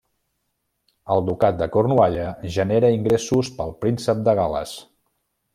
El Ducat de Cornualla genera ingressos pel Príncep de Gal·les.